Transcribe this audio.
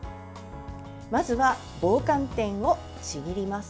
まずは、棒寒天をちぎります。